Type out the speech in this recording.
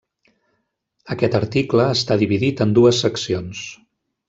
Aquest article està dividit en dues seccions.